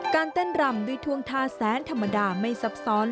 การเต้นรำด้วยท่วงท่าแสนธรรมดาไม่ซับซ้อน